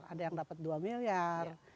ada yang dapat dua miliar